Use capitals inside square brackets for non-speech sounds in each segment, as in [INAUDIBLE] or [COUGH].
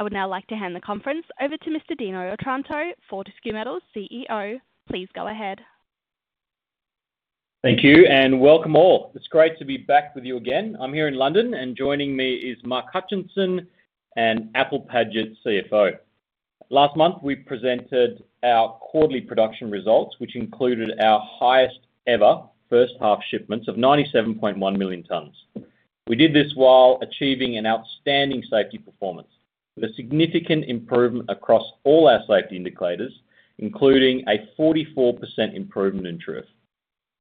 I would now like to hand the conference over to Mr. Dino Otranto, Fortescue Metals CEO. Please go ahead. Thank you, and welcome all. It's great to be back with you again. I'm here in London, and joining me is Mark Hutchinson and Apple Paget, CFO. Last month, we presented our quarterly production results, which included our highest-ever first-half shipments of 97.1 million tons. We did this while achieving an outstanding safety performance, with a significant improvement across all our safety indicators, including a 44% improvement in TRIF.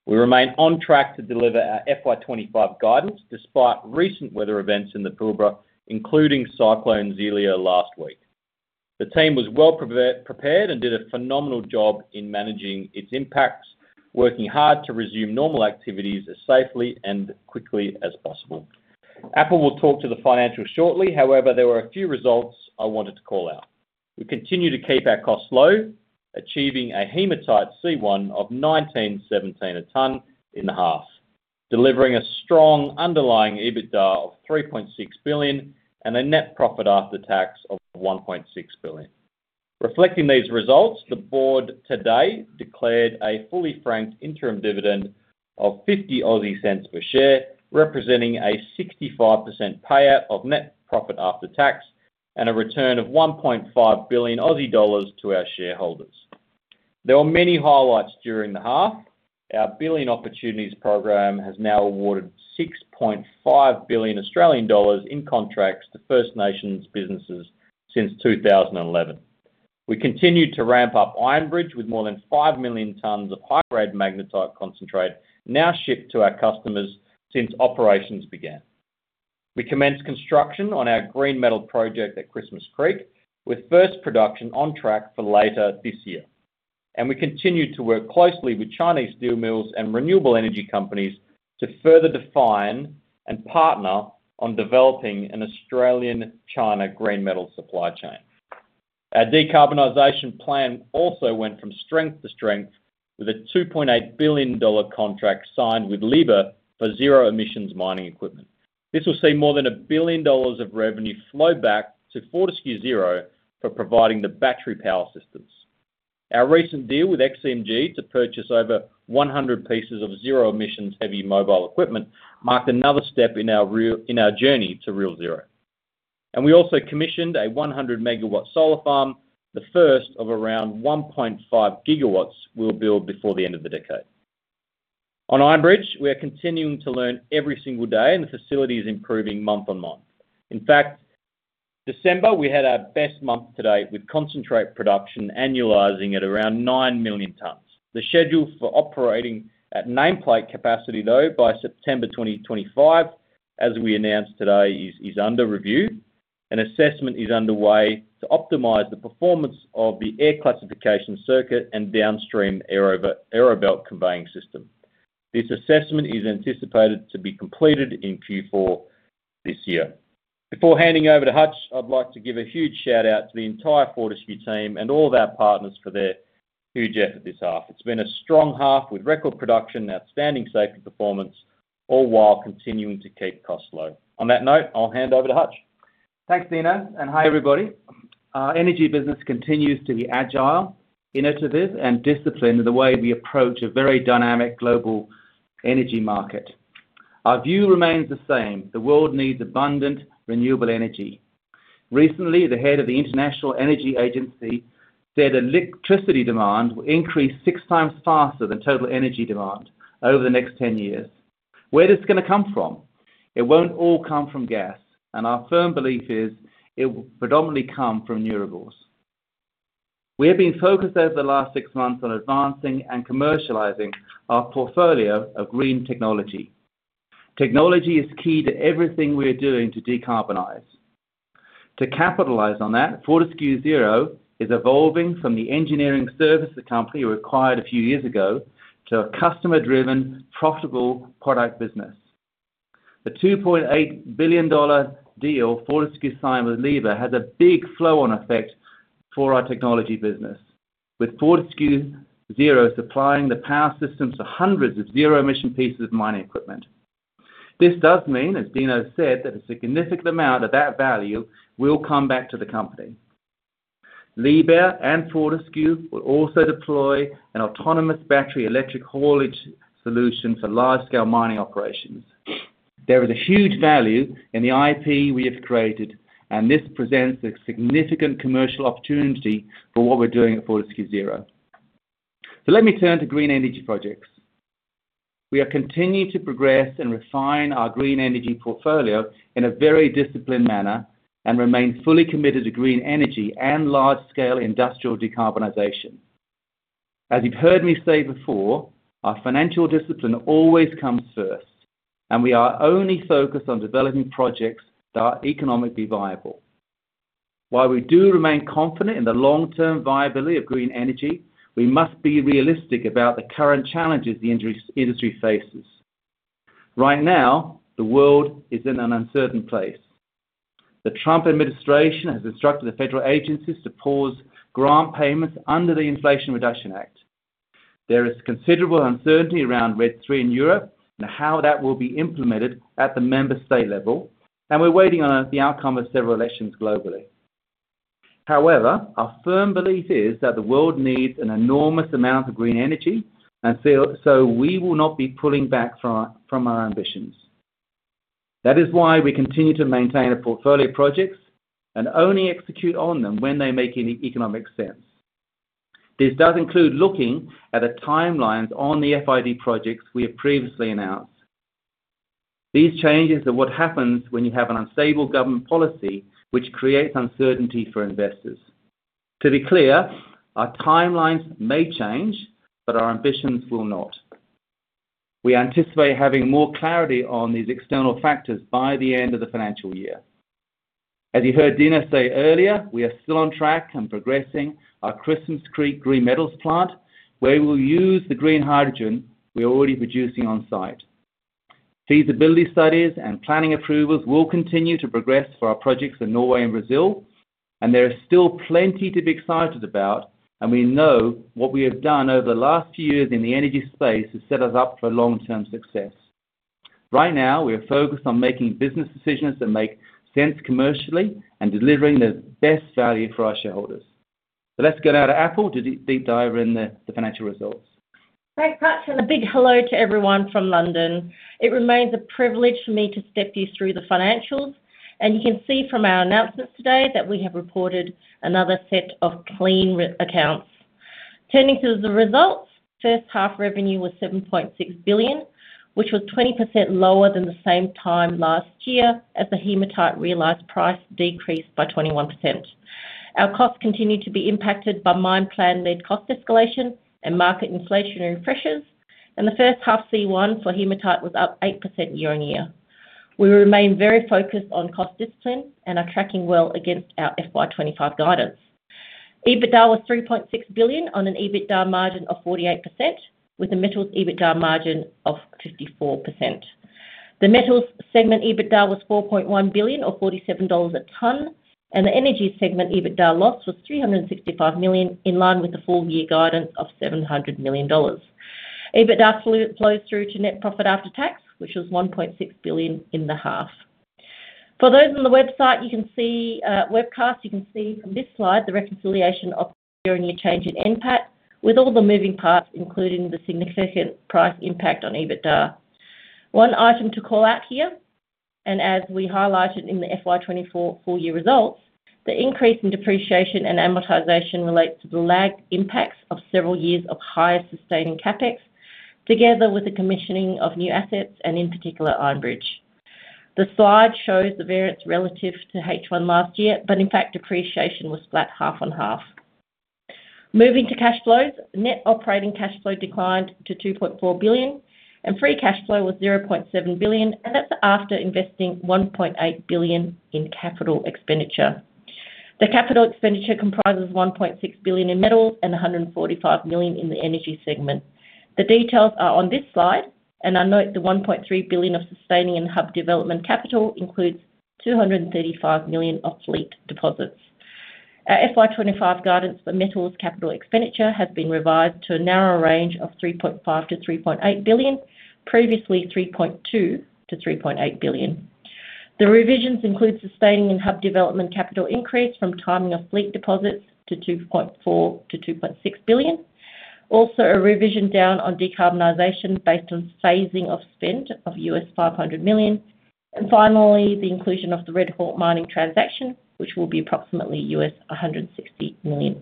We remain on track to deliver our FY 2025 guidance despite recent weather events in the Pilbara, including Cyclone Zelia last week. The team was well-prepared and did a phenomenal job in managing its impacts, working hard to resume normal activities as safely and quickly as possible. Apple will talk to the financials shortly. However, there were a few results I wanted to call out. We continue to keep our costs low, achieving a Hematite C1 of 19.17 a ton in the half, delivering a strong underlying EBITDA of 3.6 billion and a net profit after tax of 1.6 billion. Reflecting these results, the board today declared a fully franked interim dividend of 0.50 per share, representing a 65% payout of net profit after tax and a return of 1.5 billion Aussie dollars to our shareholders. There were many highlights during the half. Our Billion Opportunities program has now awarded 6.5 billion Australian dollars in contracts to First Nations businesses since 2011. We continued to ramp up Iron Bridge with more than 5 million tons of high-grade magnetite concentrate now shipped to our customers since operations began. We commenced construction on our green metal project at Christmas Creek, with first production on track for later this year. We continued to work closely with Chinese steel mills and renewable energy companies to further define and partner on developing an Australian-China green metal supply chain. Our decarbonization plan also went from strength to strength, with a $2.8 billion contract signed with Liebherr for zero-emissions mining equipment. This will see more than a billion dollars of revenue flow back to Fortescue Zero for providing the battery power systems. Our recent deal with XCMG to purchase over 100 pieces of zero-emissions heavy mobile equipment marked another step in our journey to Real Zero. We also commissioned a 100 MW solar farm, the first of around 1.5 GW we'll build before the end of the decade. On Iron Bridge, we are continuing to learn every single day, and the facility is improving month on month. In fact, December, we had our best month to date, with concentrate production annualizing at around nine million tons. The schedule for operating at nameplate capacity, though, by September 2025, as we announced today, is under review. An assessment is underway to optimize the performance of the air classification circuit and downstream aerobelt conveying system. This assessment is anticipated to be completed in Q4 this year. Before handing over to Hutch, I'd like to give a huge shout-out to the entire Fortescue team and all of our partners for their huge effort this half. It's been a strong half with record production and outstanding safety performance, all while continuing to keep costs low. On that note, I'll hand over to Hutch. Thanks, Dino. And hi, everybody. Our energy business continues to be agile, innovative, and disciplined in the way we approach a very dynamic global energy market. Our view remains the same: the world needs abundant renewable energy. Recently, the Head of the International Energy Agency said electricity demand will increase six times faster than total energy demand over the next 10 years. Where is this going to come from? It won't all come from gas, and our firm belief is it will predominantly come from renewables. We have been focused over the last six months on advancing and commercializing our portfolio of green technology. Technology is key to everything we are doing to decarbonize. To capitalize on that, Fortescue Zero is evolving from the engineering services company we acquired a few years ago to a customer-driven, profitable product business. The $2.8 billion deal Fortescue signed with Liebherr has a big flow-on effect for our technology business, with Fortescue Zero supplying the power systems for hundreds of zero-emission pieces of mining equipment. This does mean, as Dino said, that a significant amount of that value will come back to the company. Liebherr and Fortescue will also deploy an autonomous battery electric haulage solution for large-scale mining operations. There is a huge value in the IP we have created, and this presents a significant commercial opportunity for what we're doing at Fortescue Zero. So let me turn to green energy projects. We are continuing to progress and refine our green energy portfolio in a very disciplined manner and remain fully committed to green energy and large-scale industrial decarbonization. As you've heard me say before, our financial discipline always comes first, and we are only focused on developing projects that are economically viable. While we do remain confident in the long-term viability of green energy, we must be realistic about the current challenges the industry faces. Right now, the world is in an uncertain place. The Trump administration has instructed the federal agencies to pause grant payments under the Inflation Reduction Act. There is considerable uncertainty around RED III in Europe and how that will be implemented at the member state level, and we're waiting on the outcome of several elections globally. However, our firm belief is that the world needs an enormous amount of green energy, and so we will not be pulling back from our ambitions. That is why we continue to maintain a portfolio of projects and only execute on them when they make any economic sense. This does include looking at the timelines on the FID projects we have previously announced. These changes are what happens when you have an unstable government policy, which creates uncertainty for investors. To be clear, our timelines may change, but our ambitions will not. We anticipate having more clarity on these external factors by the end of the financial year. As you heard Dino say earlier, we are still on track and progressing our Christmas Creek green metals plant, where we will use the green hydrogen we are already producing on-site. Feasibility studies and planning approvals will continue to progress for our projects in Norway and Brazil, and there is still plenty to be excited about, and we know what we have done over the last few years in the energy space has set us up for long-term success. Right now, we are focused on making business decisions that make sense commercially and delivering the best value for our shareholders. So let's go now to Apple to deep dive in the financial results. Right, Hutch, and a big hello to everyone from London. It remains a privilege for me to step you through the financials, and you can see from our announcements today that we have reported another set of clean accounts. Turning to the results, first-half revenue was 7.6 billion, which was 20% lower than the same time last year as the hematite realized price decreased by 21%. Our costs continue to be impacted by mine planned lead cost escalation and market inflationary pressures, and the first-half C1 for hematite was up 8% year on year. We remain very focused on cost discipline and are tracking well against our FY 2025 guidance. EBITDA was 3.6 billion on an EBITDA margin of 48%, with the metals' EBITDA margin of 54%. The metals segment EBITDA was 4.1 billion, or $47 a ton, and the energy segment EBITDA loss was 365 million, in line with the full-year guidance of 700 million dollars. EBITDA flows through to net profit after tax, which was 1.6 billion in the half. For those on the website, you can see webcast, you can see from this slide the reconciliation of the year-on-year change in NPAT, with all the moving parts, including the significant price impact on EBITDA. One item to call out here, and as we highlighted in the FY 2024 full-year results, the increase in depreciation and amortization relates to the lagged impacts of several years of higher sustaining CapEx, together with the commissioning of new assets, and in particular, Iron Bridge. The slide shows the variance relative to H1 last year, but in fact, depreciation was flat half on half. Moving to cash flows, net operating cash flow declined to 2.4 billion, and free cash flow was 0.7 billion, and that's after investing 1.8 billion in capital expenditure. The capital expenditure comprises 1.6 billion in metals and 145 million in the energy segment. The details are on this slide, and I note the 1.3 billion of sustaining and hub development capital includes 235 million of fleet deposits. Our FY 2025 guidance for metals capital expenditure has been revised to a narrower range of 3.5 billion-3.8 billion, previously 3.2 billion-3.8 billion. The revisions include sustaining and hub development capital increase from timing of fleet deposits to 2.4 billion-2.6 billion. Also, a revision down on decarbonization based on phasing of spend of $500 million. And finally, the inclusion of the Red Hawk Mining transaction, which will be approximately $160 million.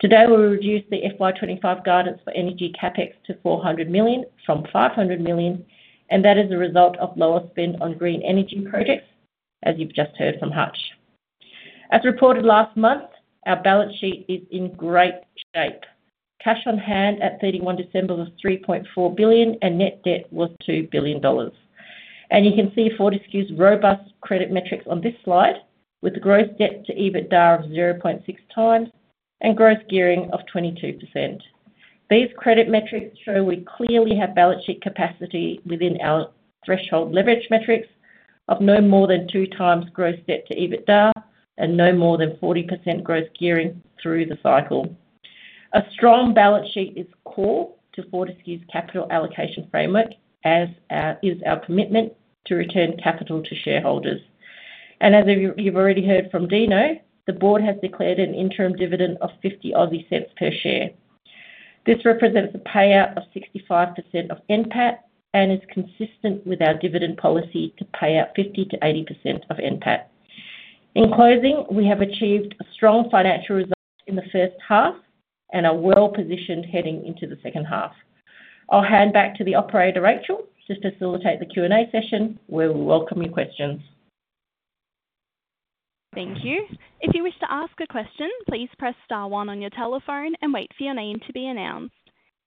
Today, we reduced the FY 2025 guidance for energy CapEx to 400 million from 500 million, and that is a result of lower spend on green energy projects, as you've just heard from Hutch. As reported last month, our balance sheet is in great shape. Cash on hand at 31 December was 3.4 billion, and net debt was 2 billion dollars. And you can see Fortescue's robust credit metrics on this slide, with the gross debt to EBITDA of 0.6 times and gross gearing of 22%. These credit metrics show we clearly have balance sheet capacity within our threshold leverage metrics of no more than two times gross debt to EBITDA and no more than 40% gross gearing through the cycle. A strong balance sheet is core to Fortescue's capital allocation framework, as is our commitment to return capital to shareholders. And as you've already heard from Dino, the board has declared an interim dividend of 0.50 per share. This represents a payout of 65% of NPAT and is consistent with our dividend policy to pay out 50%-80% of NPAT. In closing, we have achieved strong financial results in the first half and are well positioned heading into the second half. I'll hand back to the operator, Rachel, to facilitate the Q&A session, where we welcome your questions. Thank you. If you wish to ask a question, please press star one on your telephone and wait for your name to be announced.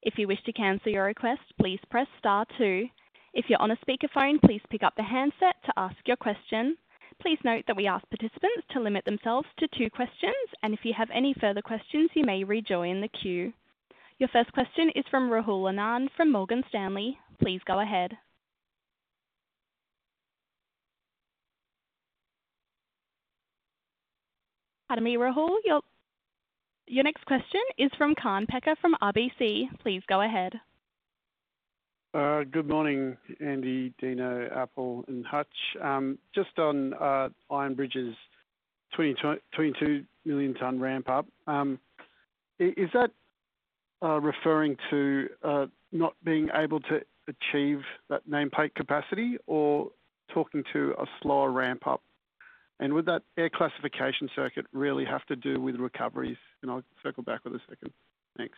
If you wish to cancel your request, please press star two. If you're on a speakerphone, please pick up the handset to ask your question. Please note that we ask participants to limit themselves to two questions, and if you have any further questions, you may rejoin the queue. Your first question is from Rahul Anand from Morgan Stanley. Please go ahead. Your next question is from Kaan Peker from RBC. Please go ahead. Good morning, Andy, Dino, Apple, and Hutch. Just on Iron Bridge's 22 million-ton ramp-up, is that referring to not being able to achieve that nameplate capacity or talking to a slower ramp-up? And would that air classification circuit really have to do with recoveries? And I'll circle back with a second. Thanks.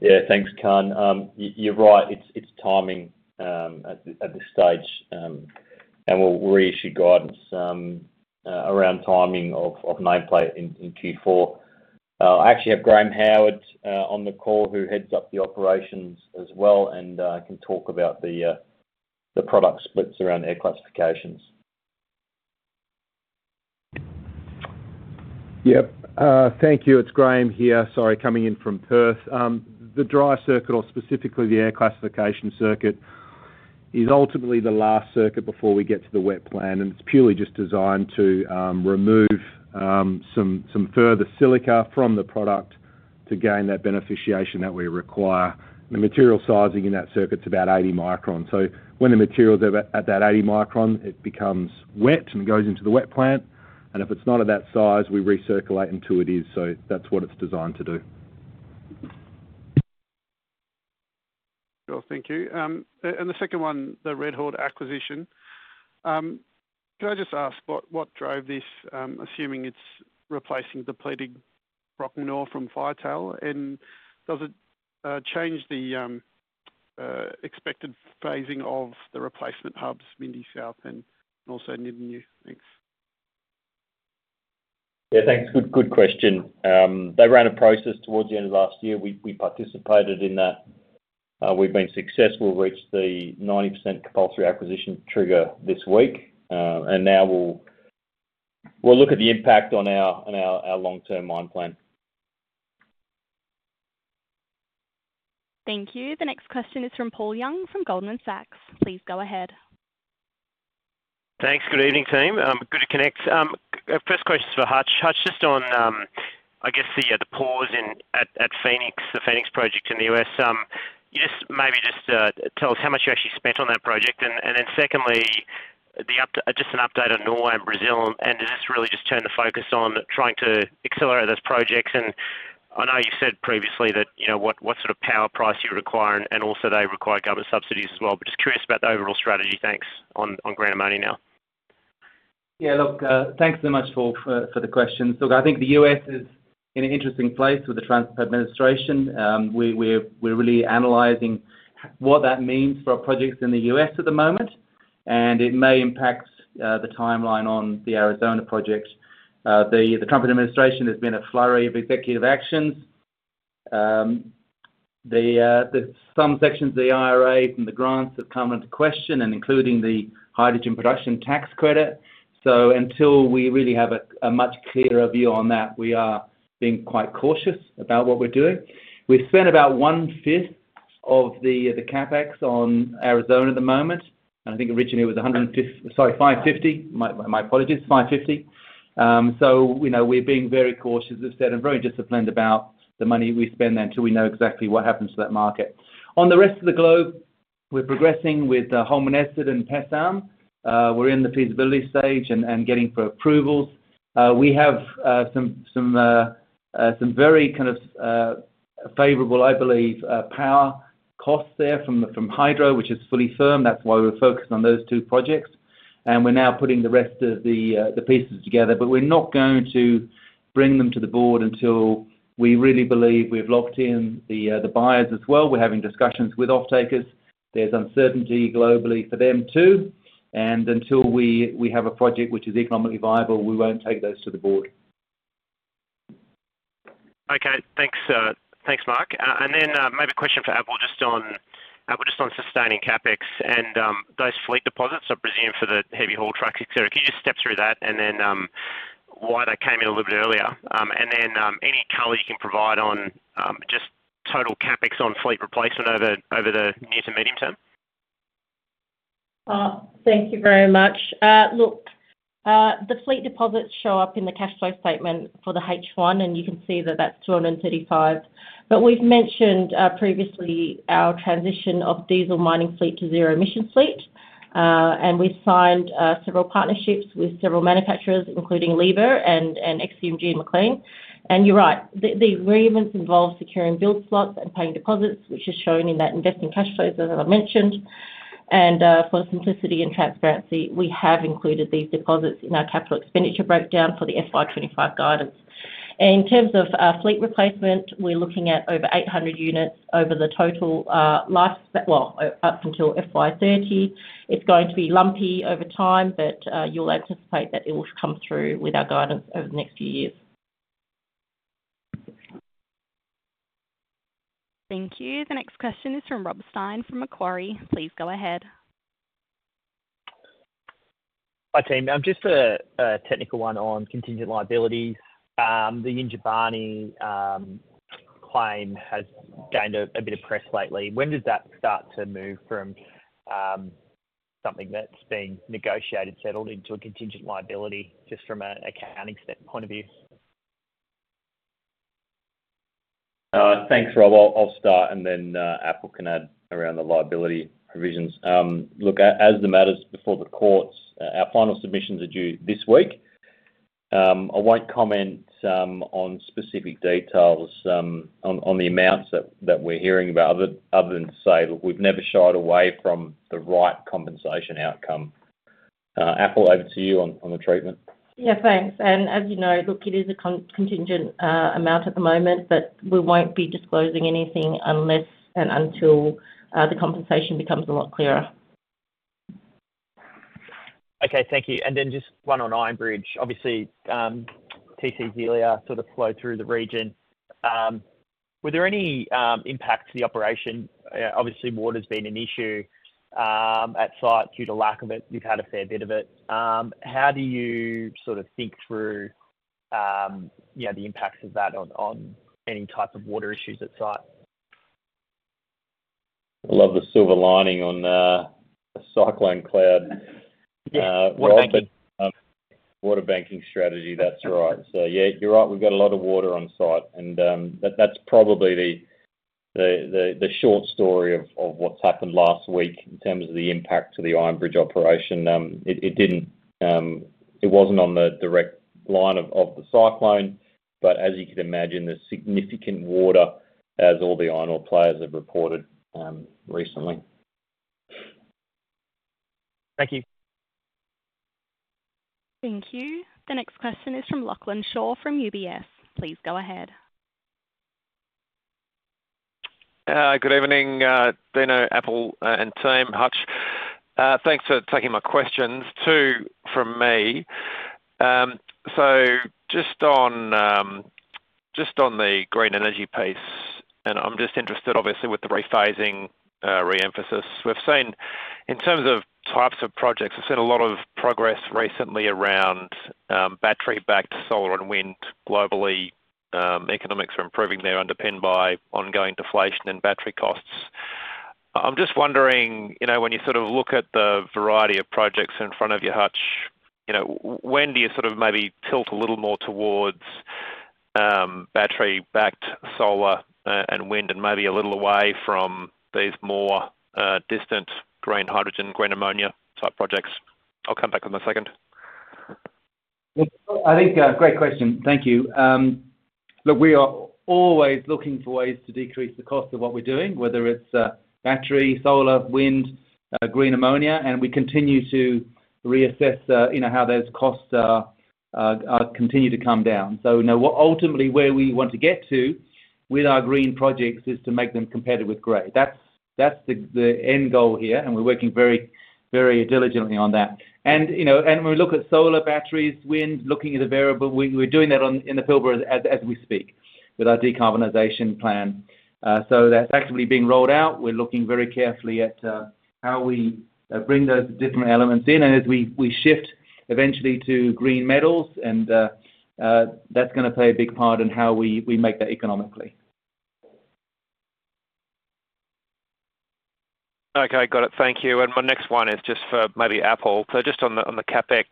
Yeah, thanks, Kaan. You're right. It's timing at this stage, and we'll reissue guidance around timing of nameplate in Q4. I actually have Graham Howard on the call who heads up the operations as well, and I can talk about the product splits around air classification. Yep. Thank you. It's Graham here, sorry, coming in from Perth. The dry circuit, or specifically the air classification circuit, is ultimately the last circuit before we get to the wet plant, and it's purely just designed to remove some further silica from the product to gain that beneficiation that we require. The material sizing in that circuit's about 80 microns. So when the materials are at that 80 microns, it becomes wet and goes into the wet plant. And if it's not at that size, we recirculate until it is. So that's what it's designed to do. Cool. Thank you. And the second one, the Red Hawk acquisition. Can I just ask what drove this, assuming it's replacing depleted Brockman ore from Firetail? And does it change the expected phasing of the replacement hubs, Mindy South and also Nyidinghu? Thanks. Yeah, thanks. Good question. They ran a process towards the end of last year. We participated in that. We've been successful, reached the 90% compulsory acquisition trigger this week, and now we'll look at the impact on our long-term mine plan. Thank you. The next question is from Paul Young from Goldman Sachs. Please go ahead. Thanks. Good evening, team. Good to connect. First question's for Hutch. Hutch just on, I guess, the pause at Phoenix, the Phoenix project in the U.S. Maybe just tell us how much you actually spent on that project. And then secondly, just an update on Norway and Brazil, and does this really just turn the focus on trying to accelerate those projects? And I know you've said previously that what sort of power price you require, and also they require government subsidies as well. But just curious about the overall strategy, thanks, on green ammonia now. Yeah, look, thanks so much for the questions. Look, I think the U.S. is in an interesting place with the Trump administration. We're really analyzing what that means for our projects in the U.S. at the moment, and it may impact the timeline on the Arizona project. The Trump administration has been a flurry of executive actions. Some sections of the IRA and the grants have come under question, including the hydrogen production tax credit. So until we really have a much clearer view on that, we are being quite cautious about what we're doing. We spend about 1/5 of the CapEx on Arizona at the moment. I think originally it was 150, sorry, 550. My apologies. 550. So we're being very cautious, as I've said, and very disciplined about the money we spend until we know exactly what happens to that market. On the rest of the globe, we're progressing with Holmaneset and Pecém. We're in the feasibility stage and gearing for approvals. We have some very kind of favorable, I believe, power costs there from hydro, which is fully firm. That's why we're focused on those two projects. We're now putting the rest of the pieces together, but we're not going to bring them to the board until we really believe we've locked in the buyers as well. We're having discussions with off-takers. There's uncertainty globally for them too. Until we have a project which is economically viable, we won't take those to the board. Okay. Thanks, Mark. And then maybe a question for Apple just on sustaining CapEx and those fleet deposits, I presume, for the heavy haul trucks, etc. Can you just step through that and then why they came in a little bit earlier? And then any color you can provide on just total CapEx on fleet replacement over the near to medium term? Thank you very much. Look, the fleet deposits show up in the cash flow statement for the H1, and you can see that that's 235. But we've mentioned previously our transition of diesel mining fleet to zero-emission fleet, and we've signed several partnerships with several manufacturers, including Liebherr and XCMG and MacLean. And you're right. The agreements involve securing build slots and paying deposits, which is shown in that investing cash flows, as I mentioned. And for simplicity and transparency, we have included these deposits in our capital expenditure breakdown for the FY 2025 guidance. In terms of fleet replacement, we're looking at over 800 units over the total life, well, up until FY 2030. It's going to be lumpy over time, but you'll anticipate that it will come through with our guidance over the next few years. Thank you. The next question is from Rob Stein from Macquarie. Please go ahead. Hi, team. Just a technical one on contingent liabilities. The Yindjibarndi claim has gained a bit of press lately. When does that start to move from something that's been negotiated, settled into a contingent liability, just from an accounting point of view? Thanks, Rob. I'll start, and then Apple can add around the liability provisions. Look, as the matters before the courts, our final submissions are due this week. I won't comment on specific details on the amounts that we're hearing about, other than to say we've never shied away from the right compensation outcome. Apple, over to you on the treatment. Yeah, thanks, and as you know, look, it is a contingent amount at the moment, but we won't be disclosing anything unless and until the compensation becomes a lot clearer. Okay. Thank you and then just one on Iron Bridge. Obviously, TC Zelia sort of flowed through the region. Were there any impacts to the operation? Obviously, water's been an issue at site due to lack of it. We've had a fair bit of it. How do you sort of think through the impacts of that on any type of water issues at site? I love the silver lining on the cyclone cloud. Water banking strategy, that's right. Yeah, you're right. We've got a lot of water on site, and that's probably the short story of what's happened last week in terms of the impact to the Iron Bridge operation. It wasn't on the direct line of the cyclone, but as you could imagine, there's significant water, as all the iron ore players have reported recently. Thank you. Thank you. The next question is from Lachlan Shaw from UBS. Please go ahead. Good evening, Dino, Apple, and team. Hutch, thanks for taking my questions. Two from me. So just on the green energy piece, and I'm just interested, obviously, with the rephasing, re-emphasis. In terms of types of projects, I've seen a lot of progress recently around battery-backed solar and wind globally. Economics are improving there underpinned by ongoing deflation and battery costs. I'm just wondering, when you sort of look at the variety of projects in front of you, Hutch, when do you sort of maybe tilt a little more towards battery-backed solar and wind, and maybe a little away from these more distant green hydrogen, green ammonia type projects? I'll come back on that second. I think great question. Thank you. Look, we are always looking for ways to decrease the cost of what we're doing, whether it's battery, solar, wind, green ammonia, and we continue to reassess how those costs continue to come down. Ultimately, where we want to get to with our green projects is to make them competitive with gray. That's the end goal here, and we're working very diligently on that. When we look at solar batteries, wind, looking at the variable, we're doing that in the Pilbara as we speak with our decarbonization plan. That's actively being rolled out. We're looking very carefully at how we bring those different elements in, and as we shift eventually to green metals, that's going to play a big part in how we make that economically. Okay. Got it. Thank you. And my next one is just for maybe Apple. So just on the CapEx,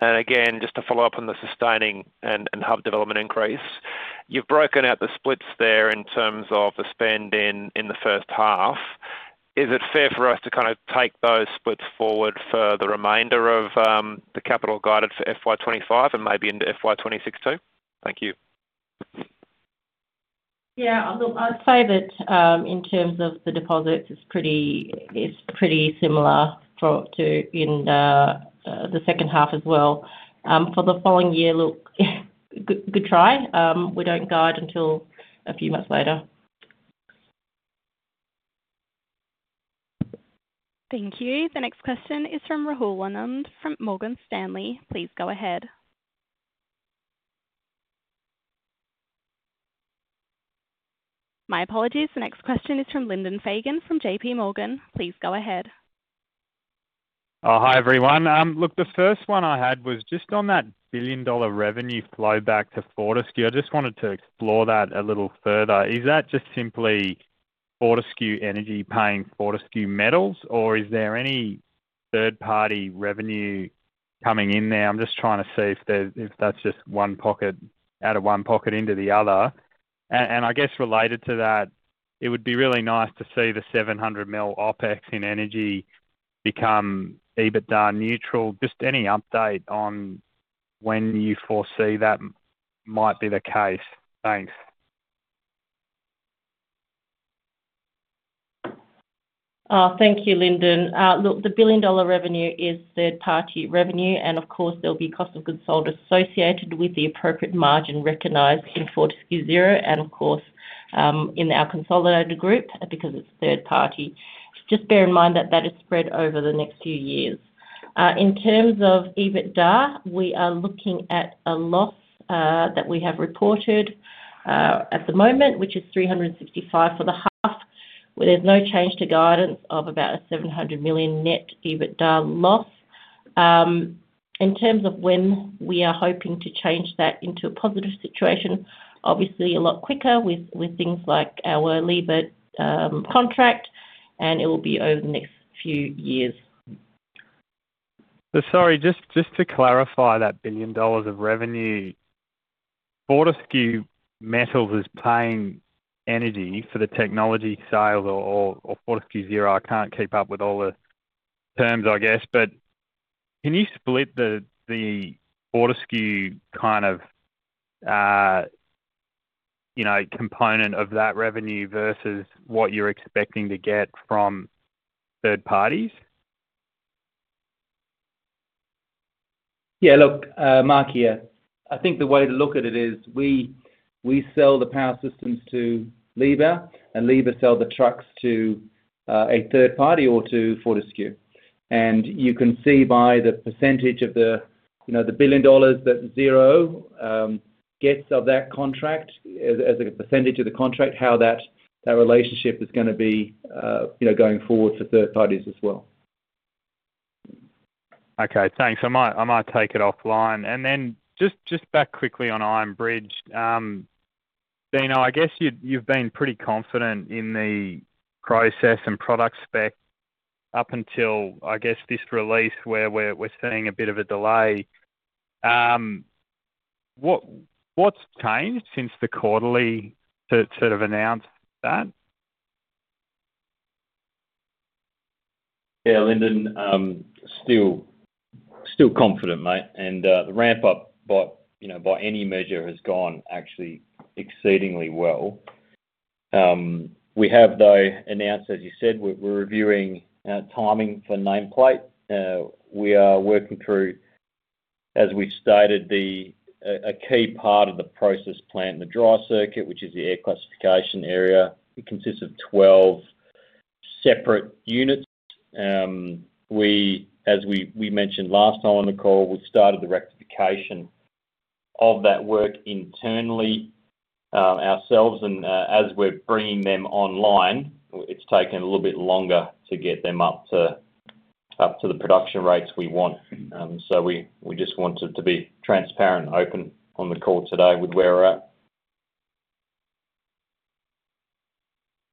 and again, just to follow up on the sustaining and hub development increase, you've broken out the splits there in terms of the spend in the first half. Is it fair for us to kind of take those splits forward for the remainder of the capital guided for FY 2025 and maybe into FY 2026 too? Thank you. Yeah. Look, I'd say that in terms of the deposits, it's pretty similar in the second half as well. For the following year, look, good try. We don't guide until a few months later. Thank you. The next question is from Rahul Anand from Morgan Stanley. Please go ahead. My apologies. The next question is from Lyndon Fagan from JPMorgan. Please go ahead. Hi, everyone. Look, the first one I had was just on that billion-dollar revenue flow back to Fortescue. I just wanted to explore that a little further. Is that just simply Fortescue Energy paying Fortescue Metals, or is there any third-party revenue coming in there? I'm just trying to see if that's just one pocket out of one pocket into the other. And I guess related to that, it would be really nice to see the 700 million OpEx in energy become EBITDA neutral. Just any update on when you foresee that might be the case? Thanks. Thank you, Lyndon. Look, the billion-dollar revenue is third-party revenue, and of course, there'll be cost of goods sold associated with the appropriate margin recognized in Fortescue Zero and, of course, in our consolidated group because it's third-party. Just bear in mind that that is spread over the next few years. In terms of EBITDA, we are looking at a loss that we have reported at the moment, which is 365 million for the half, where there's no change to guidance of about an 700 million net EBITDA loss. In terms of when we are hoping to change that into a positive situation, obviously a lot quicker with things like our Liebherr contract, and it will be over the next few years. Sorry, just to clarify that billion dollars of revenue. Fortescue Metals is paying Fortescue Energy for the technology sale to Fortescue Zero. I can't keep up with all the terms, I guess. But can you split the Fortescue kind of component of that revenue versus what you're expecting to get from third parties? Yeah. Look, Mark, here, I think the way to look at it is we sell the power systems to Liebherr, and Liebherr sells the trucks to a third party or to Fortescue, and you can see by the percentage of the billion dollars that Zero gets of that contract as a percentage of the contract, how that relationship is going to be going forward for third parties as well. Okay. Thanks. I might take it offline and then just back quickly on Iron Bridge. Dino, I guess you've been pretty confident in the process and product spec up until, I guess, this release where we're seeing a bit of a delay. What's changed since the quarterly to sort of announce that? Yeah. Lyndon, still confident, mate. And the ramp-up by any measure has gone actually exceedingly well. We have, though, announced, as you said, we're reviewing timing for nameplate. We are working through, as we've stated, a key part of the processing plant, the dry circuit, which is the air classification circuit. It consists of 12 separate units. As we mentioned last time on the call, we started the rectification of that work internally ourselves. And as we're bringing them online, it's taken a little bit longer to get them up to the production rates we want. So we just wanted to be transparent and open on the call today with where we're at.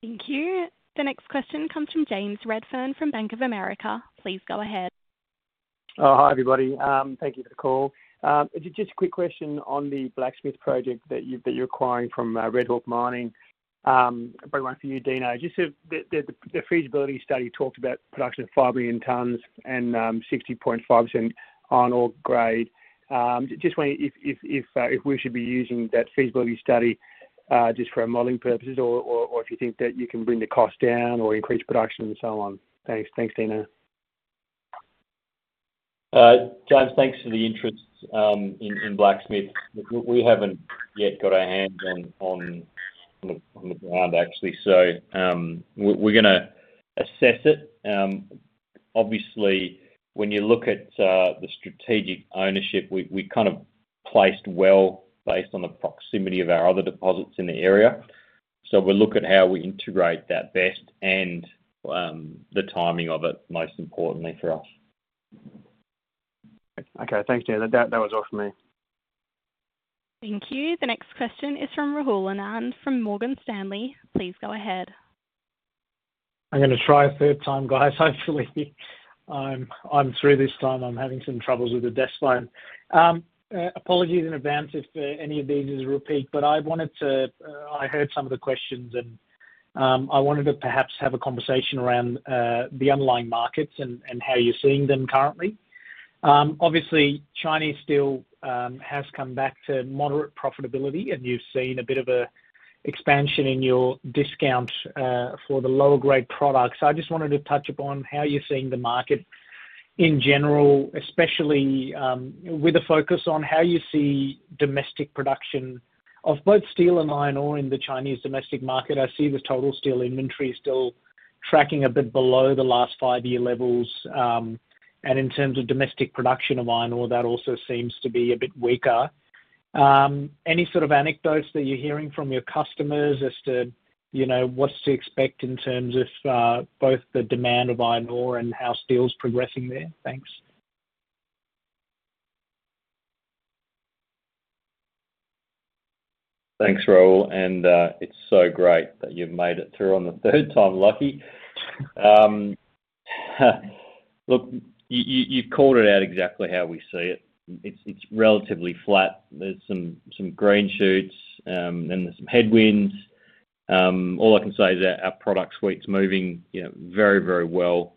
Thank you. The next question comes from James Redfern from Bank of America. Please go ahead. Hi, everybody. Thank you for the call. Just a quick question on the Blacksmith project that you're acquiring from Red Hawk Mining. Very much for you, Dino. Just the feasibility study talked about production of 5 million tons and 60.5% iron ore grade. Just wondering if we should be using that feasibility study just for our modeling purposes, or if you think that you can bring the cost down or increase production and so on. Thanks, Dino. James, thanks for the interest in Blacksmith. We haven't yet got our hands on the ground, actually. So we're going to assess it. Obviously, when you look at the strategic ownership, we kind of placed well based on the proximity of our other deposits in the area. So we'll look at how we integrate that best and the timing of it, most importantly for us. Okay. Thanks, Dino. That was all from me. Thank you. The next question is from Rahul Anand from Morgan Stanley. Please go ahead. I'm going to try a third time, guys. Hopefully, I'm through this time. I'm having some troubles with the desk phone. Apologies in advance if any of these is a repeat, but I wanted to. I heard some of the questions, and I wanted to perhaps have a conversation around the underlying markets and how you're seeing them currently. Obviously, Chinese steel has come back to moderate profitability, and you've seen a bit of an expansion in your discount for the lower-grade products. I just wanted to touch upon how you're seeing the market in general, especially with a focus on how you see domestic production of both steel and iron ore in the Chinese domestic market. I see the total steel inventory still tracking a bit below the last five-year levels. And in terms of domestic production of iron ore, that also seems to be a bit weaker. Any sort of anecdotes that you're hearing from your customers as to what's to expect in terms of both the demand of iron ore and how steel's progressing there? Thanks. Thanks, Rahul. And it's so great that you've made it through on the third time, lucky. Look, you've called it out exactly how we see it. It's relatively flat. There's some green shoots, then there's some headwinds. All I can say is our product suite's moving very, very well.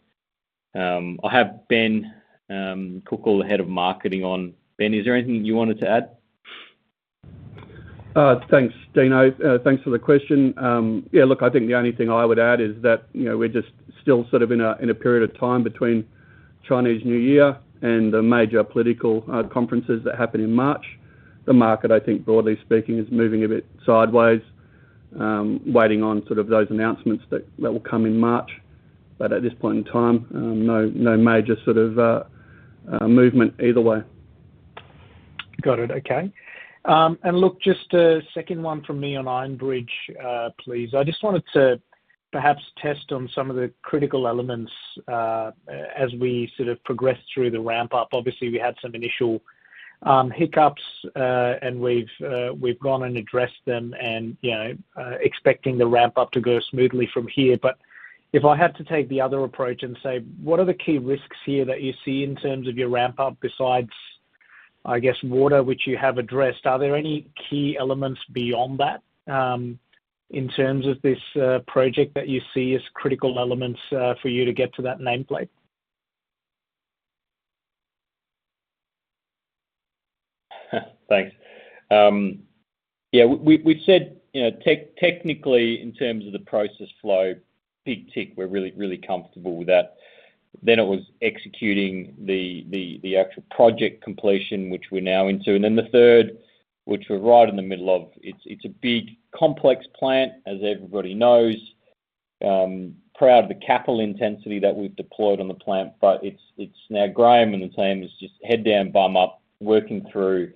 I have Ben Kuchel, the head of marketing, on. Ben, is there anything you wanted to add? Thanks, Dino. Thanks for the question. Yeah. Look, I think the only thing I would add is that we're just still sort of in a period of time between Chinese New Year and the major political conferences that happen in March. The market, I think, broadly speaking, is moving a bit sideways, waiting on sort of those announcements that will come in March. But at this point in time, no major sort of movement either way. Got it. Okay. And look, just a second one from me on Iron Bridge, please. I just wanted to perhaps test on some of the critical elements as we sort of progress through the ramp-up. Obviously, we had some initial hiccups, and we've gone and addressed them and expecting the ramp-up to go smoothly from here. But if I had to take the other approach and say, what are the key risks here that you see in terms of your ramp-up besides, I guess, water, which you have addressed? Are there any key elements beyond that in terms of this project that you see as critical elements for you to get to that nameplate? Thanks. Yeah. We've said technically, in terms of the process flow, tick, tick, we're really, really comfortable with that. Then it was executing the actual project completion, which we're now into, and then the third, which we're right in the middle of, it's a big complex plant, as everybody knows. Proud of the capital intensity that we've deployed on the plant, but it's now Graham and the team is just head down, bum up, working through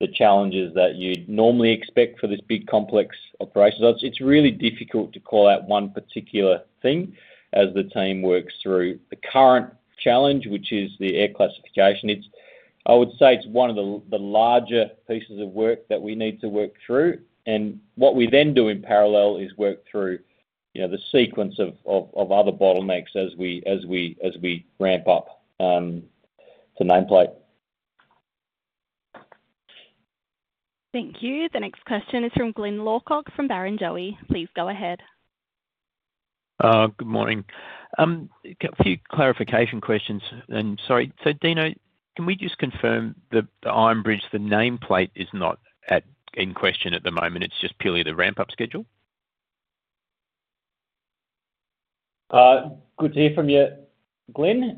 the challenges that you'd normally expect for this big complex operation, so it's really difficult to call out one particular thing as the team works through the current challenge, which is the air classification. I would say it's one of the larger pieces of work that we need to work through. And what we then do in parallel is work through the sequence of other bottlenecks as we ramp up the nameplate. Thank you. The next question is from Glyn Lawcock from Barrenjoey. Please go ahead. Good morning. A few clarification questions. And sorry. So Dino, can we just confirm that the Iron Bridge, the nameplate is not in question at the moment? It's just purely the ramp-up schedule? Good to hear from you, Glyn.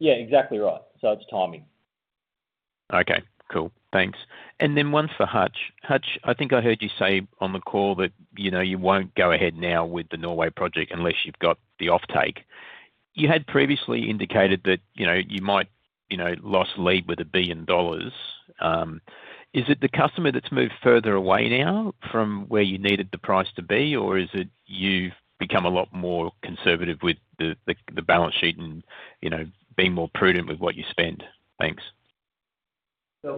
Yeah, exactly right. So it's timing. Okay. Cool. Thanks. And then one for Hutch. Hutch, I think I heard you say on the call that you won't go ahead now with the Norway project unless you've got the offtake. You had previously indicated that you might loss [AUDIO DISTORTION] with $1 billion. Is it the customer that's moved further away now from where you needed the price to be, or is it you've become a lot more conservative with the balance sheet and being more prudent with what you spend? Thanks.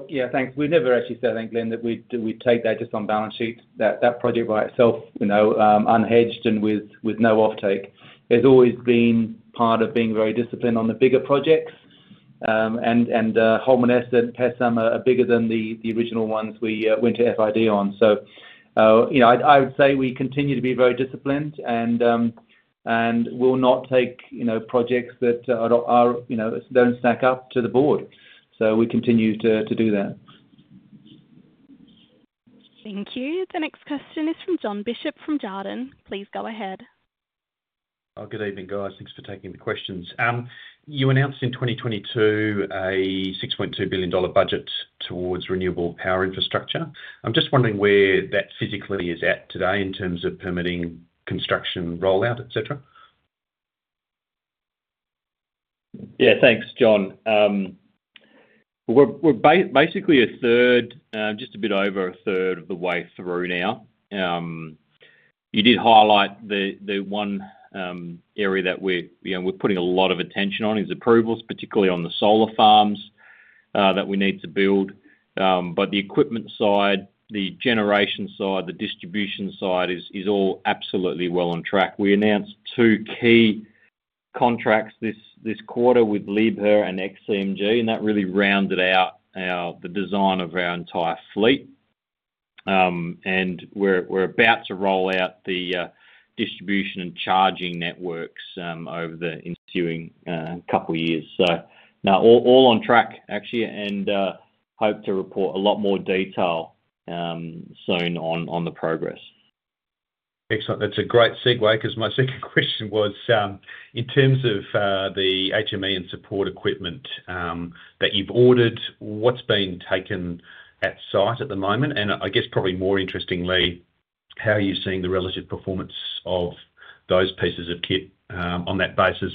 Yeah. Thanks. We never actually said, I think, Glyn, that we'd take that just on balance sheet. That project by itself, unhedged and with no offtake, has always been part of being very disciplined on the bigger projects, and Holmaneset and Pecém are bigger than the original ones we went to FID on. So I would say we continue to be very disciplined and will not take projects that don't stack up to the board, so we continue to do that. Thank you. The next question is from Jon Bishop from Jarden. Please go ahead. Good evening, guys. Thanks for taking the questions. You announced in 2022 a 6.2 billion dollar budget towards renewable power infrastructure. I'm just wondering where that physically is at today in terms of permitting construction rollout, etc.? Yeah. Thanks, Jon. We're basically a third, just a bit over a third of the way through now. You did highlight the one area that we're putting a lot of attention on is approvals, particularly on the solar farms that we need to build. But the equipment side, the generation side, the distribution side is all absolutely well on track. We announced two key contracts this quarter with Liebherr and XCMG, and that really rounded out the design of our entire fleet. And we're about to roll out the distribution and charging networks over the ensuing couple of years. So all on track, actually, and hope to report a lot more detail soon on the progress. Excellent. That's a great segue because my second question was, in terms of the HME and support equipment that you've ordered, what's being taken at site at the moment? And I guess probably more interestingly, how are you seeing the relative performance of those pieces of kit on that basis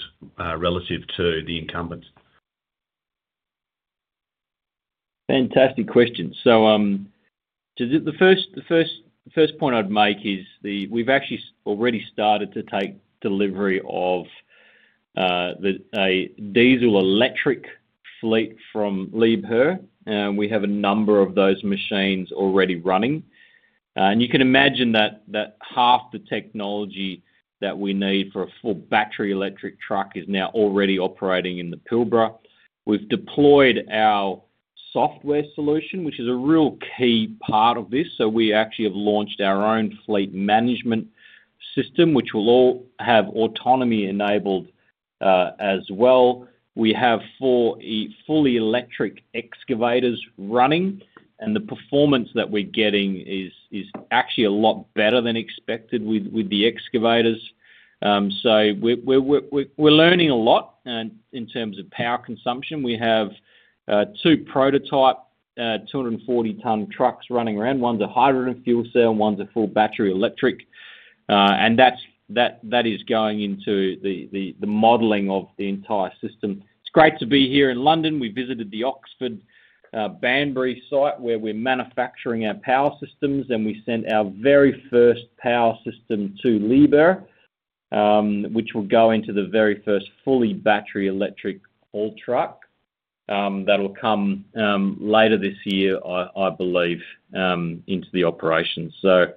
relative to the incumbents? Fantastic question. So the first point I'd make is we've actually already started to take delivery of a diesel electric fleet from Liebherr. We have a number of those machines already running. And you can imagine that half the technology that we need for a full battery electric truck is now already operating in the Pilbara. We've deployed our software solution, which is a real key part of this. So we actually have launched our own fleet management system, which will all have autonomy enabled as well. We have four fully electric excavators running, and the performance that we're getting is actually a lot better than expected with the excavators. So we're learning a lot in terms of power consumption. We have two prototype 240-ton trucks running around. One's a hydrogen fuel cell. One's a full battery electric. And that is going into the modeling of the entire system. It's great to be here in London. We visited the Oxford-Banbury site where we're manufacturing our power systems, and we sent our very first power system to Liebherr, which will go into the very first fully battery electric haul truck that will come later this year, I believe, into the operation. So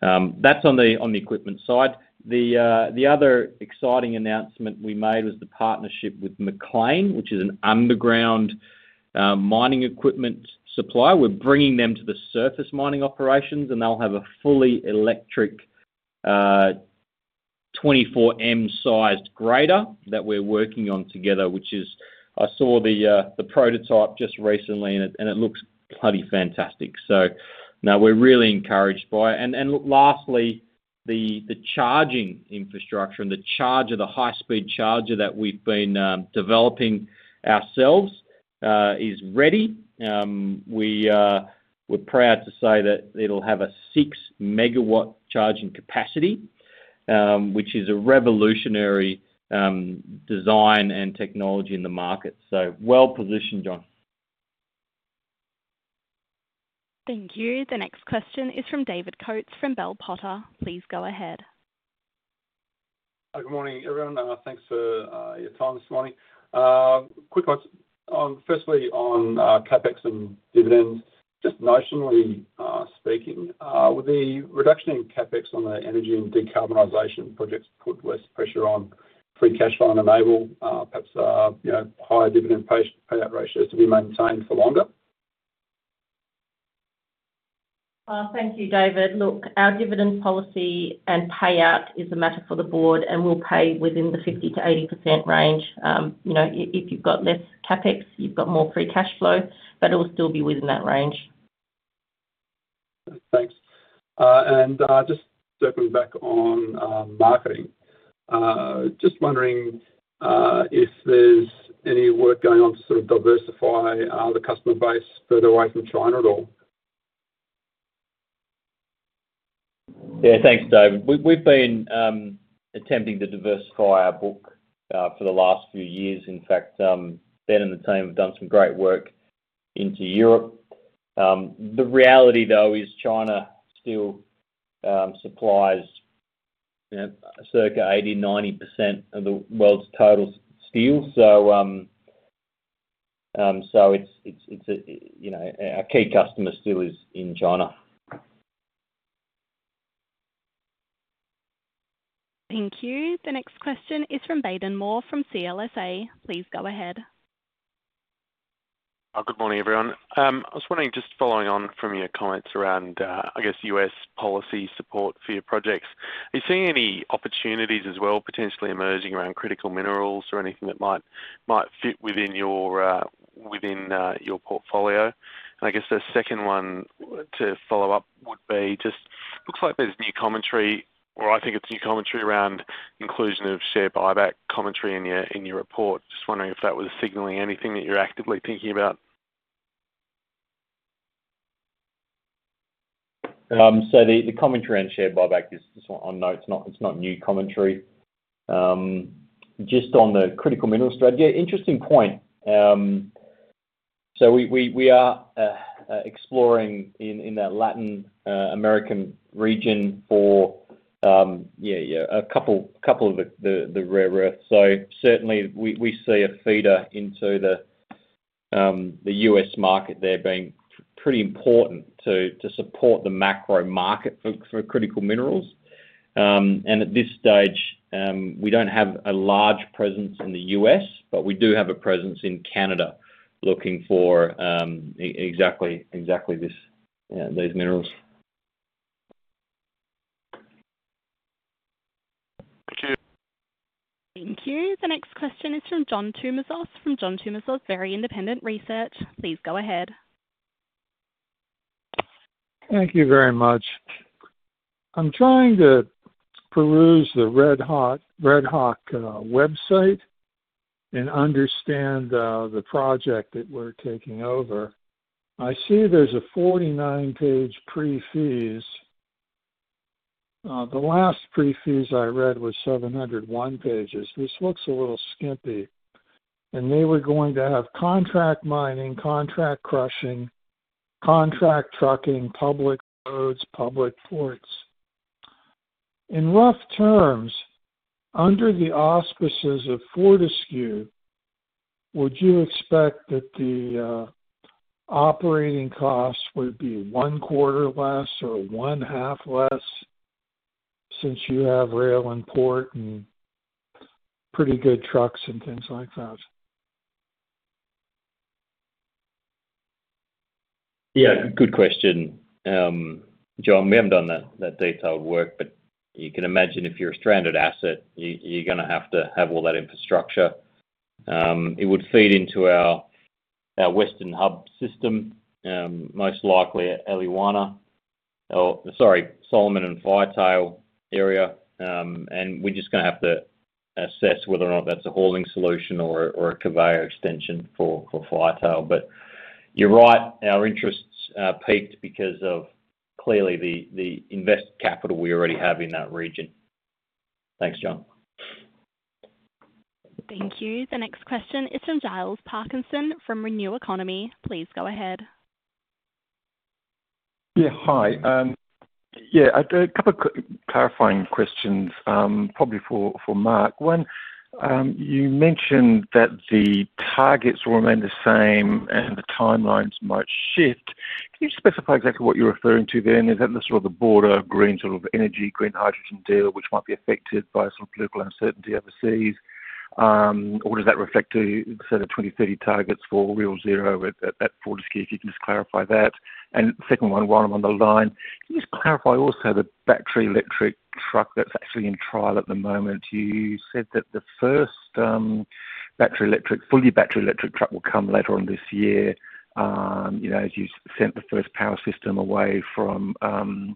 that's on the equipment side. The other exciting announcement we made was the partnership with MacLean, which is an underground mining equipment supplier. We're bringing them to the surface mining operations, and they'll have a fully electric 24M-sized grader that we're working on together, which is, I saw the prototype just recently, and it looks bloody fantastic. So now we're really encouraged by it. And lastly, the charging infrastructure and the charger, the high-speed charger that we've been developing ourselves, is ready. We're proud to say that it'll have a 6 MW charging capacity, which is a revolutionary design and technology in the market. So well positioned, Jon. Thank you. The next question is from David Coates from Bell Potter. Please go ahead. Good morning, everyone. Thanks for your time this morning. Quick ones, firstly, on CapEx and dividends, just notionally speaking. With the reduction in CapEx on the energy and decarbonization projects, put less pressure on free cash flow and enable perhaps higher dividend payout ratios to be maintained for longer. Thank you, David. Look, our dividend policy and payout is a matter for the board, and we'll pay within the 50%-80% range. If you've got less CapEx, you've got more free cash flow, but it'll still be within that range. Thanks. And just circling back on marketing, just wondering if there's any work going on to sort of diversify the customer base further away from China at all? Yeah. Thanks, David. We've been attempting to diversify our book for the last few years. In fact, Ben and the team have done some great work into Europe. The reality, though, is China still supplies Circa 80%, 90% of the world's total steel. So, it's our key customer, still, is in China. Thank you. The next question is from Baden Moore from CLSA. Please go ahead. Good morning, everyone. I was wondering, just following on from your comments around, I guess, U.S. policy support for your projects, are you seeing any opportunities as well potentially emerging around critical minerals or anything that might fit within your portfolio? And I guess the second one to follow up would be just looks like there's new commentary, or I think it's new commentary around inclusion of share buyback commentary in your report. Just wondering if that was signalling anything that you're actively thinking about. So the commentary on share buyback is just on notes. It's not new commentary. Just on the critical mineral strategy, interesting point. So we are exploring in that Latin American region for a couple of the rare earths. So certainly, we see a feeder into the U.S. market there being pretty important to support the macro market for critical minerals. And at this stage, we don't have a large presence in the US, but we do have a presence in Canada looking for exactly those minerals. Thank you. Thank you. The next question is from John Tumazos from John Tumazos Very Independent Research. Please go ahead. Thank you very much. I'm trying to peruse the Red Hawk website and understand the project that we're taking over. I see there's a 49-page pre-phase. The last pre-phase I read was 701 pages. This looks a little skimpy, and they were going to have contract mining, contract crushing, contract trucking, public roads, public ports. In rough terms, under the auspices of Fortescue, would you expect that the operating costs would be one quarter less or one half less since you have rail and port and pretty good trucks and things like that? Yeah. Good question, John. We haven't done that detailed work, but you can imagine if you're a stranded asset, you're going to have to have all that infrastructure. It would feed into our Western Hub system, most likely Eliwana, sorry, Solomon and Firetail area. And we're just going to have to assess whether or not that's a hauling solution or a conveyor extension for Firetail. But you're right. Our interests piqued because of clearly the invested capital we already have in that region. Thanks, John. Thank you. The next question is from Giles Parkinson from Renew Economy. Please go ahead. Yeah. Hi. Yeah. A couple of clarifying questions, probably for Mark. One, you mentioned that the targets will remain the same and the timelines might shift. Can you just specify exactly what you're referring to then? Is that the sort of the broader green sort of energy green hydrogen deal, which might be affected by some political uncertainty overseas? Or does that reflect the sort of 2030 targets for Real Zero at Fortescue, if you can just clarify that? And second one, while I'm on the line, can you just clarify also the battery electric truck that's actually in trial at the moment? You said that the first battery electric, fully battery electric truck will come later on this year as you sent the first power system away from the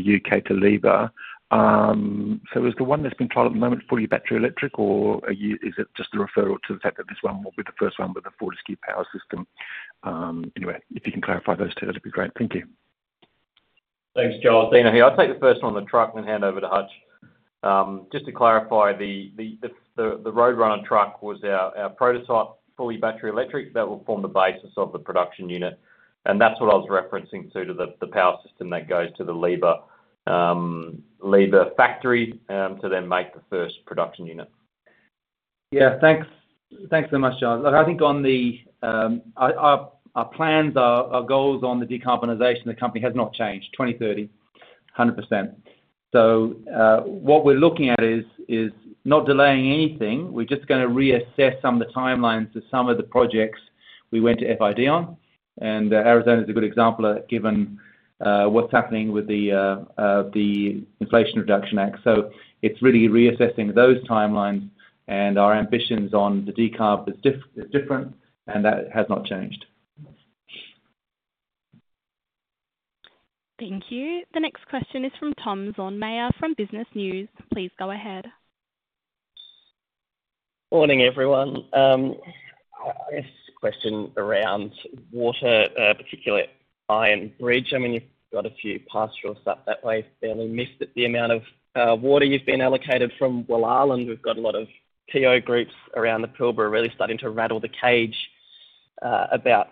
U.K. to Liebherr. So is the one that's been trialed at the moment fully battery electric, or is it just a reference to the fact that this one will be the first one with the Fortescue power system? Anyway, if you can clarify those two, that'd be great. Thank you. Thanks, Giles. I'll take the first one on the truck and then hand over to Hutch. Just to clarify, the Roadrunner truck was our prototype fully battery electric that will form the basis of the production unit, and that's what I was referencing to, the power system that goes to the Liebherr factory to then make the first production unit. Yeah. Thanks so much, Charles. I think our plans, our goals on the decarbonization of the company have not changed. 2030, 100%. What we're looking at is not delaying anything. We're just going to reassess some of the timelines to some of the projects we went to FID on. Arizona is a good example given what's happening with the Inflation Reduction Act. It's really reassessing those timelines. Our ambitions on the decarb is different, and that has not changed. Thank you. The next question is from Tom Zaunmayr from Business News. Please go ahead. Morning, everyone. I guess question around water, particularly Iron Bridge. I mean, you've got a few pastures up that way. Barely missed the amount of water you've been allocated from Wallal. We've got a lot of TO groups around the Pilbara really starting to rattle the cage about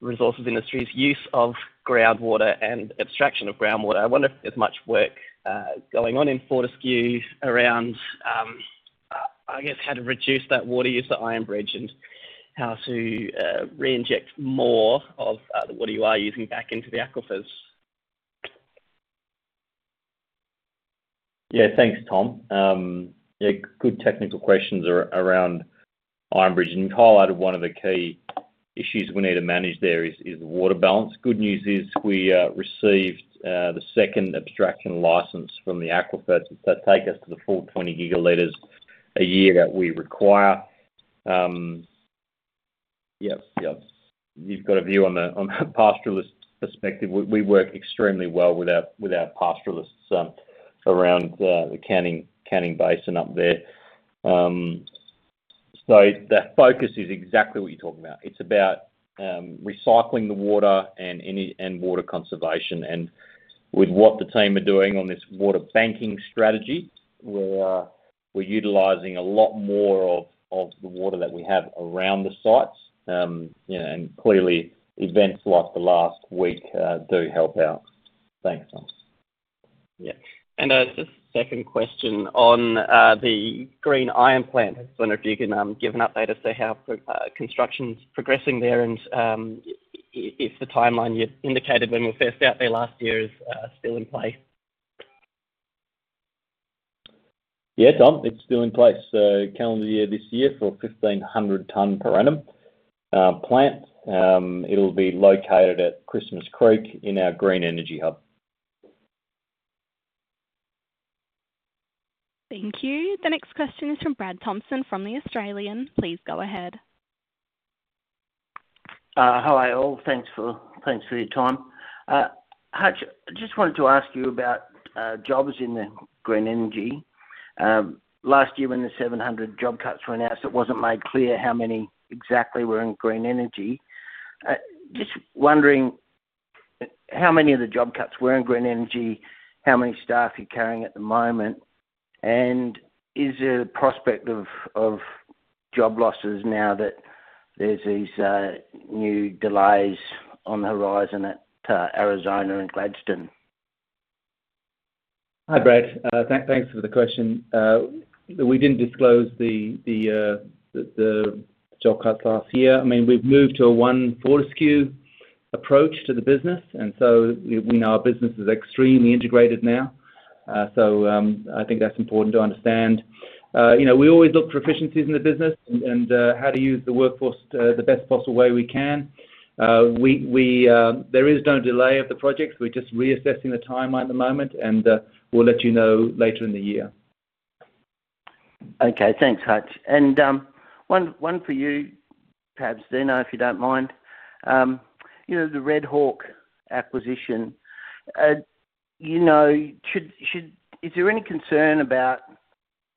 resources industry's use of groundwater and abstraction of groundwater. I wonder if there's much work going on in Fortescue around, I guess, how to reduce that water use of Iron Bridge and how to reinject more of the water you are using back into the aquifers. Yeah. Thanks, Tom. Yeah. Good technical questions around Iron Bridge. And you've highlighted one of the key issues we need to manage there is the water balance. Good news is we received the second abstraction license from the aquifers to take us to the full 20 GL a year that we require. Yep. Yep. You've got a view on the pastoralist perspective. We work extremely well with our pastoralists around the Canning Basin up there. So the focus is exactly what you're talking about. It's about recycling the water and water conservation. And with what the team are doing on this water banking strategy, we're utilizing a lot more of the water that we have around the sites. And clearly, events like the last week do help out. Thanks, Tom. Yeah. And just a second question on the green iron plant. I just wonder if you can give an update as to how construction's progressing there and if the timeline you indicated when we first went out there last year is still in place? Yeah, Tom. It's still in place. So calendar year this year for a 1,500-ton per annum plant. It'll be located at Christmas Creek in our green energy hub. Thank you. The next question is from Brad Thompson from The Australian. Please go ahead. Hi, all. Thanks for your time. Hutch, I just wanted to ask you about jobs in the green energy. Last year, when the 700 job cuts were announced, it wasn't made clear how many exactly were in green energy. Just wondering how many of the job cuts were in green energy, how many staff you're carrying at the moment, and is there a prospect of job losses now that there's these new delays on the horizon at Arizona and Gladstone? Hi, Brad. Thanks for the question. We didn't disclose the job cuts last year. I mean, we've moved to a one Fortescue approach to the business. And so our business is extremely integrated now. So I think that's important to understand. We always look for efficiencies in the business and how to use the workforce the best possible way we can. There is no delay of the projects. We're just reassessing the timeline at the moment, and we'll let you know later in the year. Okay. Thanks, Hutch. And one for you, perhaps, Dino, if you don't mind. The Red Hawk acquisition, is there any concern about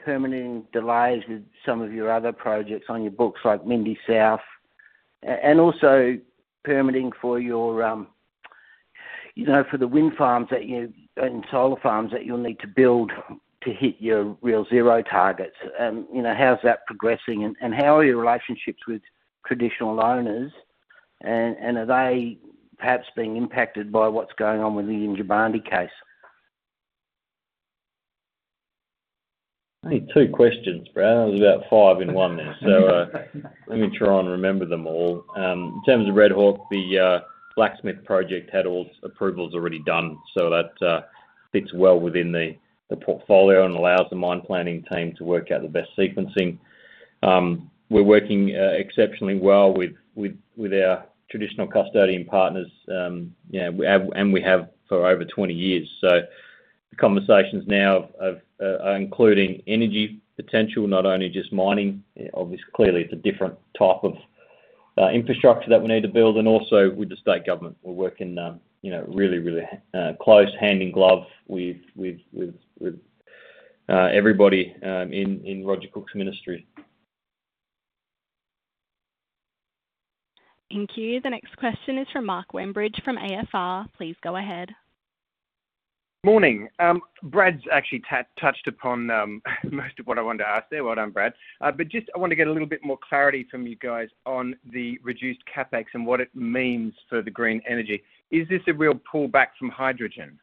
permitting delays with some of your other projects on your books like Mindy South and also permitting for the wind farms and solar farms that you'll need to build to hit your Real Zero targets? How's that progressing? And how are your relationships with traditional owners? And are they perhaps being impacted by what's going on with the Yindjibarndi case? I think two questions, Brad. About five in one there, so let me try and remember them all. In terms of Red Hawk, the Blacksmith project had all approvals already done. So that fits well within the portfolio and allows the mine planning team to work out the best sequencing. We're working exceptionally well with our traditional custodian partners, and we have for over 20 years. So the conversations now are including energy potential, not only just mining. Obviously, clearly, it's a different type of infrastructure that we need to build, and also with the state government, we're working really, really close, hand in glove with everybody in Roger Cook's ministry. Thank you. The next question is from Mark Wembridge from AFR. Please go ahead. Morning. Brad's actually touched upon most of what I wanted to ask there. Well done, Brad. But just I want to get a little bit more clarity from you guys on the reduced CapEx and what it means for the green energy. Is this a real pullback from hydrogen?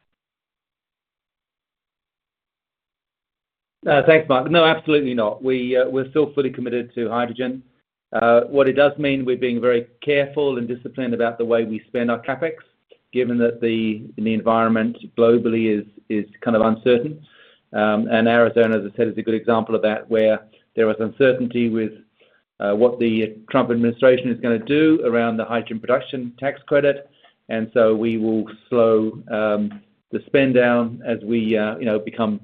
Thanks, Mark. No, absolutely not. We're still fully committed to hydrogen. What it does mean, we're being very careful and disciplined about the way we spend our CapEx, given that the environment globally is kind of uncertain, and Arizona, as I said, is a good example of that, where there was uncertainty with what the Trump administration is going to do around the hydrogen production tax credit, and so we will slow the spend down as we become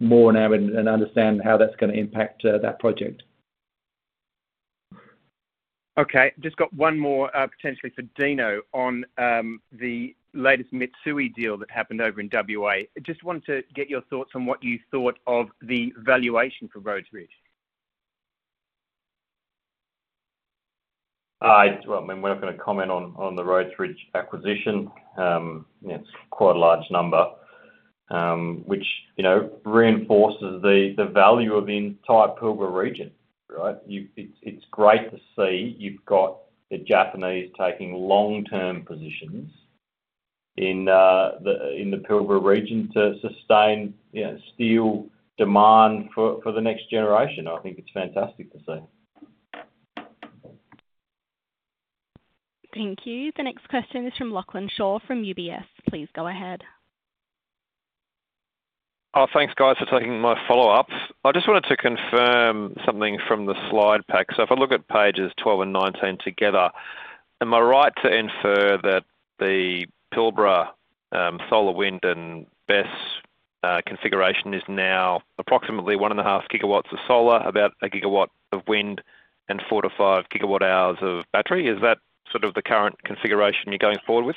more enamored and understand how that's going to impact that project. Okay. Just got one more potentially for Dino on the latest Mitsui deal that happened over in WA. Just wanted to get your thoughts on what you thought of the valuation for Rhodes Ridge. Well, I mean, we're not going to comment on the Rhodes Ridge acquisition. It's quite a large number, which reinforces the value of the entire Pilbara region, right? It's great to see you've got the Japanese taking long-term positions in the Pilbara region to sustain steel demand for the next generation. I think it's fantastic to see. Thank you. The next question is from Lachlan Shaw from UBS. Please go ahead. Oh, thanks, guys, for taking my follow-up. I just wanted to confirm something from the slide pack. So if I look at pages 12 and 19 together, am I right to infer that the Pilbara solar, wind, and BESS configuration is now approximately one and a half gigawatts of solar, about a gigawatt of wind, and 4 GW-5 GW hours of battery? Is that sort of the current configuration you're going forward with?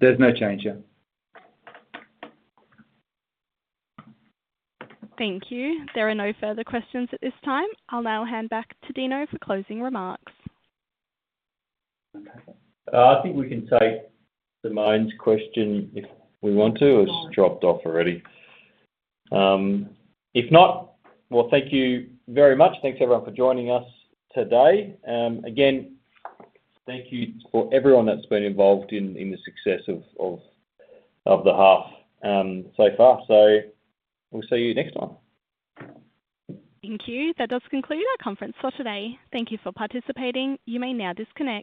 There's no change, yeah. Thank you. There are no further questions at this time. I'll now hand back to Dino for closing remarks. I think we can take the main question if we want to. It's dropped off already. If not, well, thank you very much. Thanks, everyone, for joining us today. Again, thank you for everyone that's been involved in the success of the half so far. So we'll see you next time. Thank you. That does conclude our conference for today. Thank you for participating. You may now disconnect.